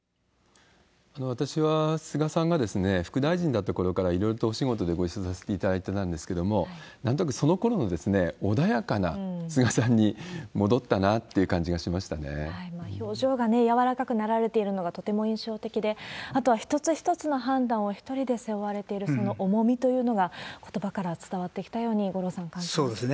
私は菅さんが副大臣だったころからいろいろとお仕事でご一緒させていただいてたんですけれども、なんとなくそのころの穏やかな菅さんに戻ったなっていう感じがし表情がね、柔らかくなられているのがとても印象的で、あとは一つ一つの判断を一人で背負われているその重みというのが、ことばから伝わってきたように、五郎さん、感じますよね。